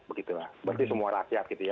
berarti semua rakyat